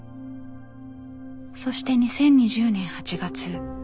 そして２０２０年８月。